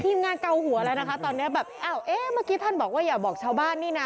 ทีมงานเกาหัวแล้วนะคะตอนนี้แบบอ้าวเอ๊ะเมื่อกี้ท่านบอกว่าอย่าบอกชาวบ้านนี่นะ